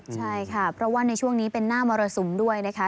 ใช่ค่ะเพราะว่าในช่วงนี้เป็นหน้ามรสุมด้วยนะคะ